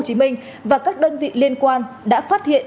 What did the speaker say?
các đơn vị liên quan đã phát hiện